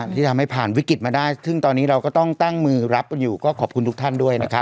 ที่ทำให้ผ่านวิกฤตมาได้ซึ่งตอนนี้เราก็ต้องตั้งมือรับกันอยู่ก็ขอบคุณทุกท่านด้วยนะครับ